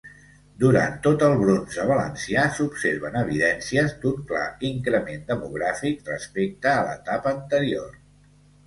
Durant tot el bronze valencià s'observen evidències d'un clar increment demogràfic respecte a l'etapa anterior.